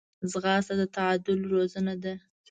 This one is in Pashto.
ځغاسته د تعادل روزنه ده